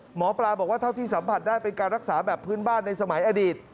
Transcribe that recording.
หมอปลาบอกว่าเท่าที่สัมผัสได้เป็นการรักษาแบบพื้นบ้านในสมัยอดีต